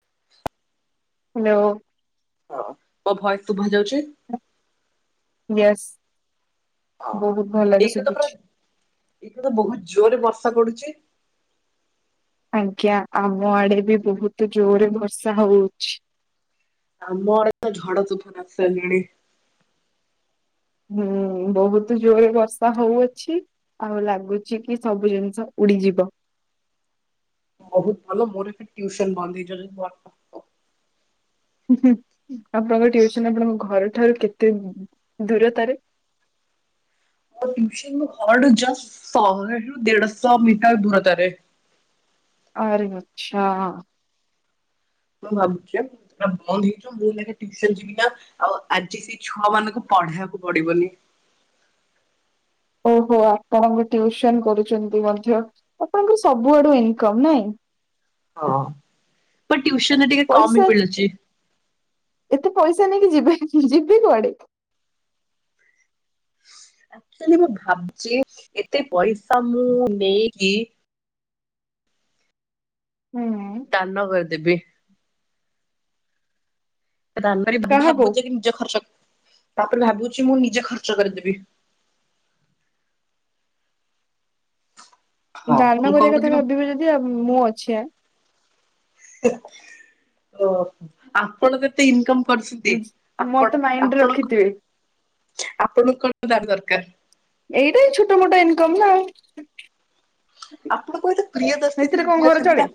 [inaudible] Hello. ହଁ ମୋ voice ଶୁଭାଯାଉଚ [unintelligible] yes. [unintelligible] ବହୁତ ଜୋରରେ ବର୍ଷା ପଡୁଛି। ଆଜ୍ଞା ଆମ ଆଡେ ବି ବହୁତ ଜୋରରେ ବର୍ଷା ହଉଛି। ଆମର ତ ଝଡତୁଫାନ ଆସାରିଲାଣି। ହୁଁ ବହୁତ ଜୋରେ ବର୍ଷା ହଉଅଛି ଆଉ ଲାଗୁଛି କି ସବୁ ଜିନିଷ ଉଡିଯିବ। ବହୁତ ଭଲ ମୋରେ ବି ଟିଉସନ ବନ୍ଦହେଇଯିବ [unintelligible] [inaudible] ଆପଣଙ୍କ ଟିଉସନ୍ ଆପଣଙ୍କ ଘରେ ଠାରୁ କେତେ ଦୂରତାରେ ମୋ ଟିଉସନ୍ ମୋ ଘର ଠୁ ଜଷ୍ଟ୍ ଶହେରୁ ଦେଢଶହ ମିଟର ଦୂରତାରେ। ଆରେ ଆଛା। ମୁଁ ଭାବୁଛି [unintelligible] ଯିବି ନା ଆଉ ଆଜି ସେଇ ଛୁଆ ମାନଙ୍କୁ ପଢେଇବାକୁ ପଡିବନି। ଓହୋ ଆପଣ ବି ଟିଉସନ କରୁଛନ୍ତି ମଧ୍ୟ ଆପଣଙ୍କର ସବୁ ଆଡୁ ଇନକମ ନାଇଁ। ହଁ ପର ଟିଉସନ୍ ଟିକେ କମ ବି ପଇସା ମିଳୁଛି। ଏତେ ପଇସା ନେଇକି ଯିବେ ଯିବେ କୁଆଡେ ଅକ୍ଚୁଲି ମୁଁ ଭାବୁଛି ଏତେ ପଇସା ମୁଁ ନେଇକି ହୁଁ ତାନ କରି ଦେବି। ତାନ ବି କାହାକୁ ଭାବୁଛି କି ନିଜ ଖର୍ଚ ତାପରେ ଭାବୁଛି, ମୁଁ ନିଜେ ଖର୍ଚ୍ଚ କରିଦେବି। ହଁ ଦାରଣ ମୁଁ କଣ କରିବା କଥା କହୁଥିଲି ମୁଁ ଭାବିବ ଯଦି ମୁଁ ଅଛି ଆ। ଓହ! ଆପଣ ଯେତେ ଇନକମ୍ ମତେ ମାଇଣ୍ଡରେ ରଖିଥିବେ। ଆପଣଙ୍କୁ କଣ ଦାନ ଦରକାର? ଏଇଟା ଛୋଟ ମୋଟ ଇନକମ ନା ଆଉ। ଆପଣଙ୍କୁ, ଏତେ ପ୍ରିୟ ଦସ୍ତି ସେଥିରେ ଦିଦି ଅଛନ୍ତି ନା।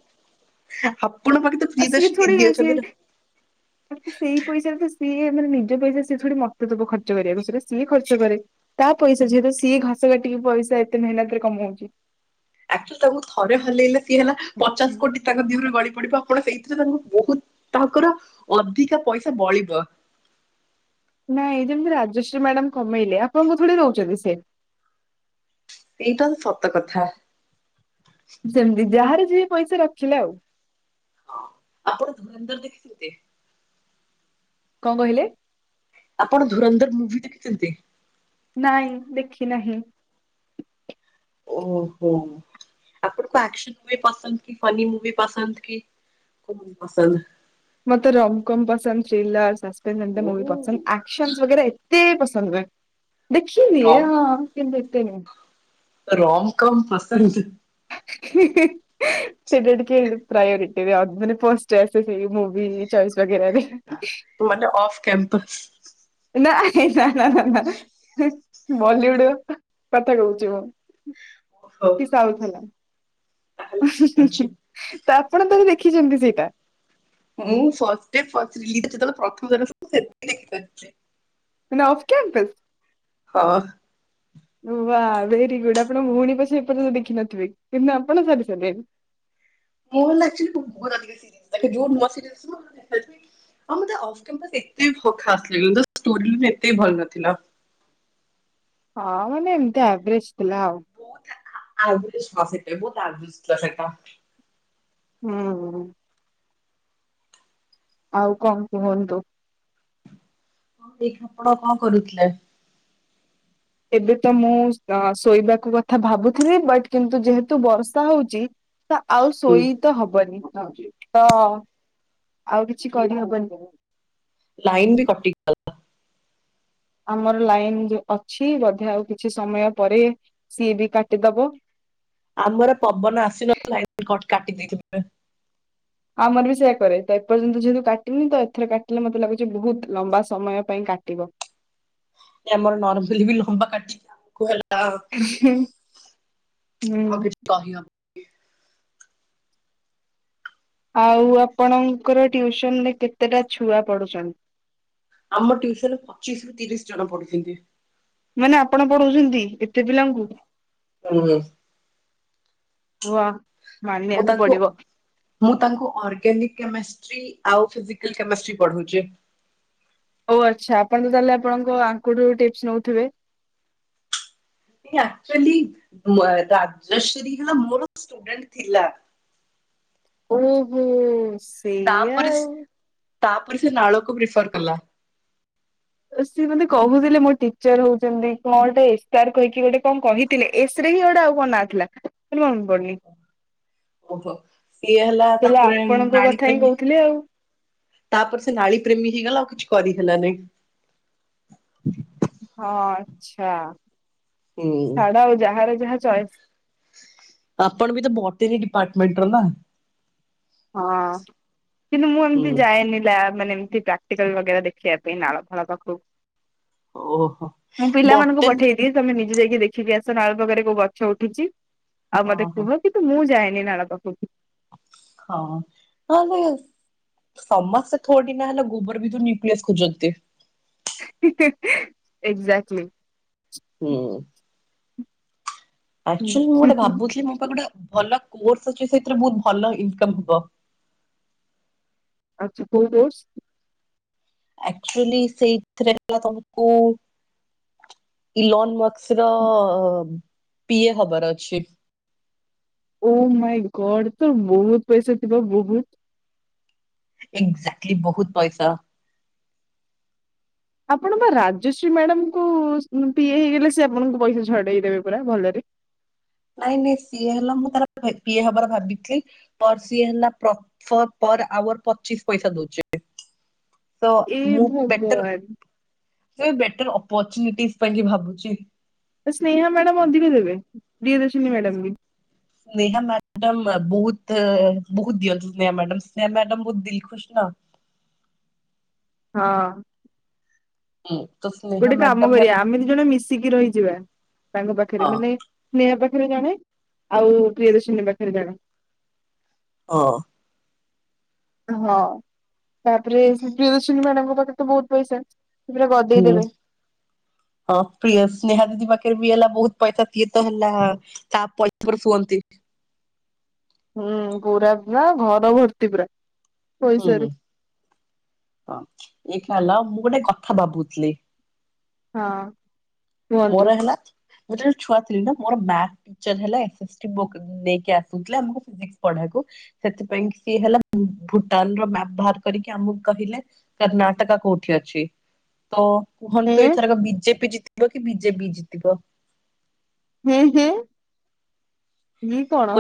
ହାପ୍ ଅ, ସିଏ ଥୋଡି ସିଏ। ସେଇ ପଇସା ତ ସିଏ ମାନେ ନିଜ ପଇସା ସିଏ ଥୋଡ଼ି ମତେଦବ ଖର୍ଚ କରିବାକୁ! ସେଟା ସିଏ ଖର୍ଚ୍ଚ କରେ। ତା ପଇସା ଯେହେତୁ, ସିଏ ଘାସ କାଟିକି ପଇସା ଏତେ ମହେନତରେ କମଉଚି। ଆକ୍ଚୁଆଲ୍ ତାଙ୍କୁ ଥରେ ହଲେଇଲେ ସିଏ ହେଲା, ପଚାଶ କୋଟି ତାଙ୍କ ଦିହରୁ ଗଳି ପଡିବ। ଆପଣ, ସେଇଥିରେ ତାଙ୍କୁ ବହୁତ ତାଙ୍କର ଅଧିକା ପଇସା ବଳିବ। ନାଇଁ, ଯେମିତି ରାଜଶ୍ରୀ ମ୍ୟାଡାମ୍ କମେଇଲେ ଆପଣଙ୍କୁ ଥୋଡ଼ି ଦଉଛନ୍ତି ସେ। ଏଇଟା ସତ କଥା। ସେମିତି ଯାହାର ଯିଏ ପଇସା ରଖିଲା ଆଉ। ହଁ, ଆପଣ ଧୁରନ୍ଧର ଦେଖିଥିବେ। କଣ କହିଲେ? ଆପଣ ଧୁରନ୍ଧର ମୁଭି ଦେଖିଛନ୍ତି? ନାଇଁ ଦେଖି ନାହିଁ। ଓହୋ! ଆପଣଙ୍କୁ ଆକ୍ସନ ମୁଭି ପସନ୍ଦ କି! ଫନି ମୁଭି ପସନ୍ଦ କି କଣ ପସନ୍ଦ? ମତେ ରମ୍କମ୍ ପସନ୍ଦ ଥ୍ରିଲାର ସାସ୍। [unintelligible] ଓ ମୁଭି ପସନ୍ଦ ଆକ୍ସନ ବଗେରା ଏତେ ପସ୍ ଥଙ୍ଗ୍ରା। ଓ ଦେଖିବି ଏ ହଁ କେମତି ଦେ ଏତେ ନୁହେଁ। ରମ କମ୍ ପସନ୍ଦ। ହିଁ ହିଁ ହିଁ। ସେଟା ଟିକେ ପ୍ରାୟୋରିଟି ଅ ମାନେ ଫାଷ୍ଟ ଆସେ ମୁଭି ଚଏସ। ମାନେ ଅଫ କେମ୍ପସ। ନାଇଁ। ନା ନା ନା ନା ହିଁ। ବଲିଉଡ କଥା କହୁଛି ମୁଁ। ଓହୋ କି ସାଉଥ ହେଲା। ତାହେଲେ ଉଁହୂଁ ଠିକ ହୂଁ ଅଛି। ହୂଁ ତ ଆପଣ ତାହେଲେ ଦେଖ୍ ଦେଖିଛନ୍ତି ସେଇଟା। ମୁଁ ଫାଷ୍ଟ ଡେ [unintelligible] ରିଲିଜ୍ ଯେତେବେଳେ ପ୍ରଥମ [unintelligible] ମାନେ ଅଫ୍ କ୍ୟାମ୍ପସ। ହଁ। ବା ଭେରି ଗୁଡ ଆପଣ ଭଉଣୀ ପଛ ଏପର୍ଯ୍ୟନ୍ତ ଦେଖିନଥିବେ କିନ୍ତୁ ଆପଣ ସାରି ସାରିଲେଣି। ମୁଁ ହେଲା ଅକ୍ଚୁଆଲ [unintelligible] ମତେ ଅଫ୍ କ୍ୟାମ୍ପସ ଦେଖିତେ ଖାସ୍ ଲାଗିଲାନି ଜଷ୍ଟ ଷ୍ଟୋରୀ ଏତ ଭଲ ନଥିଲା। ହଁ ମାନେ ଏମିତି ଏଭରେଜ ଥିଲା ଆଉ। ଆଭରେଜ୍ ସେଟା ହଁ ବହୁତ ଆଭରେଜ ସେଟା। ହୁଁ। ଆଉ କଣ କୁହନ୍ତୁ। ହଉ ଏଇ କପଡ଼ କଣ କରୁଥିଲେ। ଏବେ ତ ମୁଁ ଅ ଶୋଇବାକୁ କଥା ଭାବୁଥିଲି। ବଟ୍ କିନ୍ତୁ ଯେହେତୁ ବର୍ଷା ହଉଛି। ତ ଆଉ ହୁଁ ଶୋଇ ତ ହବନି ତ ଆଉ କିଛି କରିହବନି। ଲାଇନ ବି କଟିି ଗଲା। ଆମର ଲାଇନ ଯଉ ଅଛି ବଧେ ଆଉ କିଛି ସମୟ ପରେ ସିଏ ବି କାଟିଦବ। ଆମର ପବନ ଆସିନଥିଲା [inaudible] କାଟି ଦେଇଛି ଆମର ବି ସେଇୟା କରେ। ତ ଏପର୍ଯ୍ୟନ୍ତ ଯେହେତୁ କାଟିନି ତ ଏଥର କାଟିଲେ ମତେ ଲାଗୁଛି ବହୁତ ଲମ୍ବା ସମୟ ପାଇଁ କାଟିବ। ନାଇଁ ଆମର ନର୍ମଲି ବି ଲମ୍ବା କାଟିକି ଆଟକୁ ହେଲା। ଆଉ ହଁ [unintelligible] [unintelligible] ଆଉ ଆପଣଙ୍କର ଟିୟୁସନ ରେ କେତେଟା ଛୁଆ ପଢୁଛନ୍ତି? ଆମ ଟିଉସନ ରେ ପଚିଶ ରୁ ତିରିଶ ଜଣ ପଢିଛନ୍ତି। ମାନେ ଆପଣ ପଢଉଛନ୍ତି? ଏ ତେପିଲା ଙ୍କୁ ହୁଁ ହ। ମୁଁ ତାଙ୍କୁ ମୁଁ ତାଙ୍କୁ ଅର୍ଗାନିକ କେମେଷ୍ଟ୍ରି ଆଉ ଫିଜିକାଲ କେମେଷ୍ଟ୍ରି ପଢଉଛି। ଓ ଆଚ୍ଛା ଆପଣ ତ ତାହେଲେ ଆପଣଙ୍କ ଆଙ୍କଠୁ ଟିପସ ନଉଥିବେ ଅକ୍ଚୁଲି ରାଜଶ୍ରୀ ହେଲା ମୋର ଷ୍ଟୁଡେଣ୍ଟ ଥିଲା। ଓହୋ। ସେଇୟା ତାପରେ ଆଉ ତାପରେ ସେ ନାଳୁକୁ ପ୍ରିଫର କଲା ସିଏ ମୋତେ କହୁଥିଲେ ମୋ ଟିଚର ହଉଛନ୍ତି କଣ ଗୋଟେ ଏସ କହିକି ଗୋଟେ କଣ କହିଥିଲେ ଏସ ରେ ହିଁ ଗୋଟେ ଆଉ କଣ ନାଁ ଥିଲା। ମୋର ମନେ ପଡୁନି ଓହୋ ଓହୋ ସିଏ ହେଲା ତାହେଲେ ତାପରେ ଆପଣଙ୍କ ନାଳୀ କଥା ହିଁ ପ୍ରେମୀ କହୁଥିଲେ ଆଉ। ତାପରେ ସେ ନାଳୀ ପ୍ରେମୀ ହେଇଗଲା ଆଉ କିଛି କରିହଲାନାଇଁ। [unintelligible] ହଁ ଆଛା। ହୁଁ। ଛାଡ ଆଉ ଯାହାର ଯାହା ଚଏସ୍ ଆପଣ ବି ତ ବୋଟନି ଡିପାର୍ଟମେଟର ନା? ହଁ। କିନ୍ତୁ ମୁଁ ଏମିତି ଯାଏନି ଲା ମାନେ ପ୍ରାକ୍ଟିକାଲ ଲଗେବା ଦେଖିବା ପାଇଁ ନାଳ ଫାଲ ପାଖକୁ ଓହୋ ମୁଁ ପିଲାମାନଙ୍କୁ ବୋଟାନି ପଠେଇଦିଏ ତମେ ନିଜେ ଯାଇକି ଦେଖିକି ଆସ ନାଳପାଖରେ କୋଉ ଗଛ ଉଠିଛି। ଆଉ ମତେ ହଁ ହଁ କୁହ କିନ୍ତୁ ମୁଁ ଯାଏନି। ନାଳ ପାଖକୁ ହଁ ହ ସମସ୍ତେ ଥୋଡି ନା ହେଲା ଗୋବର ଭିତରୁ ନ୍ୟୁକ୍ଲିଅସ ଖୋଜନ୍ତି। ଏକ୍ଜାକ୍ଟ୍ଲି। ହୁଁ। ଆକଚୁଲି ମୁଁ ଗୋଟେ ଭାବୁଥିଲି ମୋ ପାଇଁ ଗୋଟେ ଭଲ କୋର୍ସ ଅଛି ସେଥିରେ ବହୁତ ଭଲ ଇନକମ ହବ। ଆଛା କୋଉ କୋର୍ସ? ଆକ୍ଚୁଆଲି ସେଇଥିରେ ହେଲା ତମକୁ ଇଲ ସର ପିଏ ହବାର ଅଛି। ଓ ମାଇ ଗଡ ତ ବହୁତ ପଇସା ଥିବ ବହୁତ ଏକ୍ଜାକ୍ଟଲି ବହୁତ ପଇସା। ଆପଣ ବା ରାଜଶ୍ରୀ ମ୍ୟାଡ଼ାମକୁ ପିଏ ହେଇଗଲେ ସେ ଆପଣଙ୍କୁ ପଇସା ଛଡେଇ ଦେବେ ପୁରା ଭଲରେ ନାଇଁ ନାଇଁ ସିଏ ହେଲା ମୁଁ ତାର ପିଏ ହବାର ଭାବିଥିଲି ସିଏ ନା ପର ଆୱାର ପଚିଶ ପଇସା ଦଉଛି ଏବେ। ତ ଏ ମୁଁ ଭଗବାନ। ବେଟର ଅପର୍ଚୁନିଟି ପାଇଁ ଭାବୁଛି। ସ୍ନେହା ମ୍ୟାଡାମ ଅଧିକ ଦେବେ ପ୍ରିୟଦର୍ଶିନୀ ମ୍ୟାଡ଼ାମ ବି ସ୍ନେହା ମ୍ୟାଡାମ ବହୁତ ବହୁତ ଦିଅନ୍ତି ସ୍ନେହା ମ୍ୟାଡାମ ସ୍ନେହା ମ୍ୟାଡାମ ବହୁତ ଦିଲ୍ ଖୁସି ନା ହଁ [unintelligible] ଗୋଟେ କାମ ମ୍ୟାଡାମ ହେଲ କରିବା ଆମେ ଦି ଜଣେ ମିଶିକି ରହିଯିବା ତାଙ୍କ ପାଖରେ ହଁ ମାନେ ସ୍ନେହା ପାଖରେ ସେ ଜଣେ ଆଉ ପ୍ରିୟଦର୍ଶିନୀ ପାଖରେ ଜଣେ। ହଁ। ହଁ ତାପରେ ପ୍ରିୟଦର୍ଶିନୀ ମ୍ୟାଡାମଙ୍କ ପାଖରେ ତ ବହୁତ ପଇସା ପୁରା ଗଦେଇ ହୁଁ ଦେବେ। ହଁ ପ୍ରିୟଦର୍ଶିନୀ ସ୍ନେହା ଦିଦି ପାଖରେ ବି ହେଲା ବହୁତ ପଇସା ସିଏ ତ ହେଲା ତା ପଇସାରେ ଶୁଅନ୍ତି। ହୁଁ ପୁରା ପୁରା ଘର ଭର୍ତ୍ତି ପୁରା ହୁଁ ପଇସାରେ ହଁ ଏଇ ହେଲା ମୁଁ ଗୋଟେ କଥା ଭାବୁ ଥିଲି। ହଁ। କୁହନ୍ତୁ। ମୋର ହେଲା ମୁଁ ଜଣ ଛୁଆ ଥିଲି ନା ମୋର ମାର୍ଥ ଟିଚର ହେଲା ଏସ ଏସ ଟି ବୁକ ନେଇକି ଆସୁଥିଲେ ଆମକୁ ଫିଜିକ୍ସ ପଢେଇବାକୁ ସେଥିପାଇଁ ସିଏ ହେଲା ଭୁଟାନର ବାହାର କରିକି ଆମକୁ କହିଲେ କର୍ଣ୍ଣାଟକ କୋଉଠି ଅଛି ତ ହେଁ କୁହନ୍ତୁ ଏଥରକ ବିଜେପି ଜ କୁହ କି ବିଜେପି ଜିତିବ ହୁଁ ହୁଁ ବି କଣ?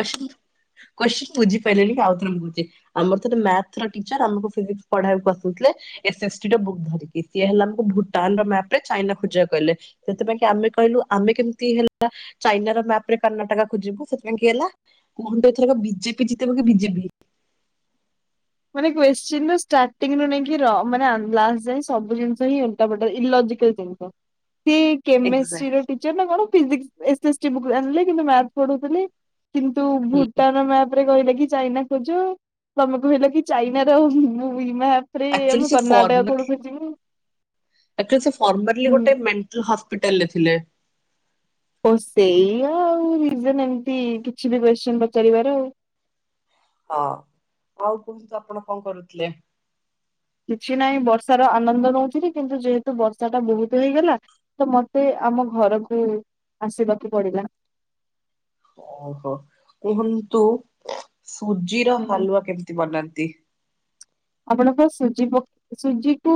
କୋଚିଂନ ବୁଝି ପାରିଲିନି କି ଆଉ ଥରେଛି ଆମର ମାର୍ଥ ର ଟିଚର ଆମକୁ ଫିିଜିକ୍ସ ପଡ଼େଇବାକୁ ଆସୁଥିଲେ ଏସ ଏସ ଟି ର ବୁକ ଧରିକି ସିଏ ହେଲା ଆମକୁ ଭୁଟାନ ର ମ୍ୟାପ ରେ ଚାଇନା ଖୋଜିବାକୁ କହିଲେ ସେଥିପାଇଁ କି ଆମେ କହିଲୁ ଆମେ କେମିତି ହେଲା ଚାଇନା ର ମ୍ୟାପ ରେ କର୍ଣ୍ଣାଟକ ଖୋଜିବୁ କାହିଁକି ହେଲା କୁହନ୍ତୁ ଏଥରକ ବିଜେପି ଜିତବ କି ବିଜେଡ଼ି? ମାନେ କୋଛିନ ଷ୍ଟାର୍ଟିଂରୁୁ ନେଇକି ଲାଷ୍ଟ ଯାଏ ସବୁ ଜିନିଷ ଓଲଟା ପାଲଟା ଇଲୋଜିକାଲ ଜିନିଷ ସେ ଏକ୍ସାକ୍ଟଲି କେମେଷ୍ଟ୍ରିର ଟିଚର ନା କଣ physics S S T book ଆଣିଲି କିନ୍ତୁ ମାର୍ଥ ପଢଉଥିଲି କିନ୍ତୁ ଭୁଟାନ ତା ପରେ କହିଲେ କି ଚାଇନା ଖୋଜ ତମେ କହିଲ କି ଚାଇନା ର ମ୍ୟାପ ରାତ୍ରୀ ଆକ୍ଚୁଆଲି ଆମେ କର୍ଣ୍ଣାଟକ ଆଡକୁ ଯିବୁ ଆଙ୍କଚୁଲି ଫର୍ମାଲିଟି ପିଟାଲରେ ଥିଲେ ହ ସେଇଆ ଆଉ ରିଜନ ଏମତି କିଛି ବି କୋତ୍ସିନ ପଚାରିବାର ଆଉ। ହଁ ଆଉ କୁହନ୍ତୁ ଆପଣ କଣ କରୁଥିଲେ। କିଛି ନାହିଁ ବର୍ଷାର ଆନନ୍ଦ ନଉଥିଲି କିନ୍ତୁ ଯେହେତୁ ବର୍ଷା ଟା ବହୁତ ହେଇଗଲା ତ ମତେ ଆମ ଘରକୁ ଆସିବାକୁ ପଡିଲା। ଓହୋ କୁହନ୍ତୁ। ସୁଜିର ହୁଁ ହାଲୁଆ କେମିତି ବନାନ୍ତି। ଆପଣ କଣ ସୁଜି ପ ସୂଜିକୁ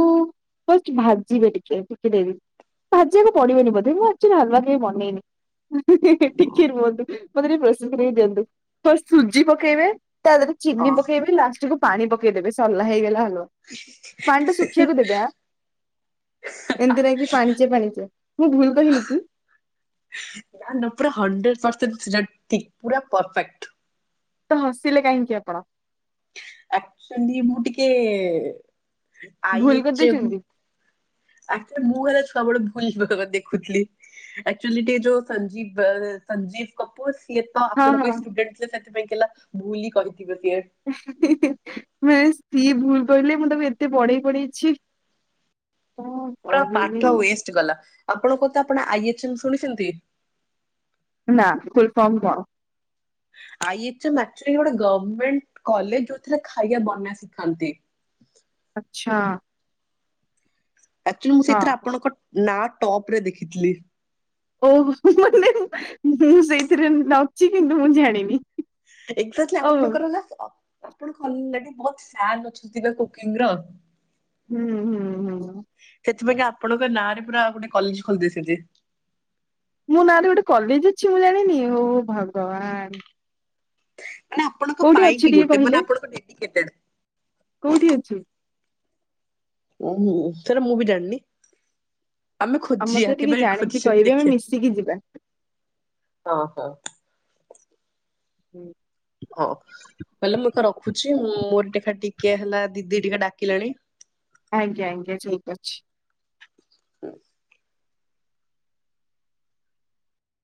ଫାର୍ଷ୍ଟ ଭାଜିବେ ଟିକେ ଟିକେ ଭାଜିବାକୁ ପଡିବନି ବୋଧେ ମୁଁ ଆକ୍ଚୁଲି ହାଲୱା କେବେ ବନେଇନି ଟିକେ ରୁହନ୍ତୁ ମୋତେ ଟିକେ ପ୍ରୋସେସ କରିବାକୁ ଦିଅନ୍ତୁ ଫାର୍ଷ୍ଟ ସୁଜି ପକେଇବେ। ତା ଦେହରେ ଚିନି ହଁ ପକେଇବେ ଲାଷ୍ଟକୁ। ପାଣି ପକେଇଦେବେ। ସରଲା ହେଇଗଲା। ପାଣି ଟା ଶୁଖିବାକୁ ଦେବେ ଆଁ ଏମିତି ନାହିଁ କି ପାଣିଚିଆ ପାଣିଚିଆ ମୁଁ ଭୁଲ କହିଲି କି। ସେଟା ଠିକ ପୁରା ପରଫେକ୍ଟ। ତ ହସିଲେ କାହିଁକି ଆପଣ। ଆକଚୁଲି ମୁ ଟିକେ। ଆଇ ଭୁଲ ଏଚ ଏମ। କରିଦେଇଛନ୍ତି ଆକଚୁଲି ମୁଁ ହେଲେ ଛୁଆ ବେଳୁ ଭୁଲ [unintelligible] ଦେଖୁଥିଲି ଆକଚୁଲି ଟିକେ ଯୋଉ ସଞ୍ଜୀବ ସଞ୍ଜୀବ କପୁର। ଇ ତ ହଁ ଆପଣଙ୍କ ହିଁ ହଁ ଷ୍ଟୁଡେଣ୍ଟ ଥି ସେ ସେଥିପାଇଁ କେଲା ଭୁଲ ରେ କରି ବାସ କି ଭୁଲ। କହିଲେ ମୁଁ ତାକୁ ଏତେ ପଢେଇ ପଢେଇ ଛି। ପୁରା ପାଠ ୱେଷ୍ଟ ଗଲା। ଆପଣ କଥା ଆପଣ ଆଇ ଏଚ୍ ଏମ ଶୁଣିଛନ୍ତି। [unintelligible] ନା ଫୁଲ ଫର୍ମ କଣ? ଆଇ ଏଚ ଏମ ଆକ୍ଚୁଲି ଗୋଟେ ଗମେଣ୍ଟ କଲେଜ ଯୋଉଥିରେ ଖାଇବା ବନା ଶିଖାନ୍ତି। ଆଚ୍ଛା। ଆକ୍ଚୁଆଲି ମୁଁ ହଁ ସେଥିରେ ଆପଣଙ୍କ ନା ଟପ ରେ ଦେଖିଥିଲି। ଓହୋ କିଛି କିନ୍ତୁ ମୁଁ ଜାଣିନି। ଏକ୍ଜାକ୍ଟଲି ଓ ଆପଣ ହୁଁ କର ନା ଅ ଆପଣ କହିଲେ କି ବହୁତ ଫ୍ୟାନ ଅଛନ୍ତି ନା କୁକିଂ ର। ହୁଁ ହୁଁ ହୁଁ। ସେଥିପାଇଁ ଆପଣଙ୍କ ନାଁରେ ପୁରା ଗୋଟେ କଲେଜ ଖୋଲି ଦେଇଛନ୍ତି। ମୋ ନାଁ ରେ ଗୋଟେ କଲେଜ ଅଛି ମୁଁ ଜାଣିନି ହଉ ଭଗବାନ! ମାନେ ଆପଣଙ୍କ କୋଉଠି ପାଇଁ ଅଛି କି ଟିକେ ଗୋଟେ କହିଲେ ମାନେ ଆପଣଙ୍କ ଡେଡିକେଟେଡ। କୋଉଠି ଅଛି। ଓ ସେଟା ମୁଁ ବି ଜାଣନି। ଆଉ ମତେ ଟିକେ ଜାଣିକି କହିବେ ଆମେ ମିଶିକି ଯିବା। ହଁ ହଁ। ହୁଁ। ହଁ ହେଲେ, ମୁଁ ଏକ ରଖୁଛି ମୋର ଟିକେ ହେଲା ଦିଦି ଟିକେ ଡାକିଲାଣି। ଆଜ୍ଞା ଆଜ୍ଞା ଠିକ ଅଛି। ହୁଁ।